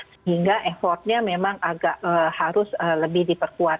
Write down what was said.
sehingga effortnya memang agak harus lebih diperkuat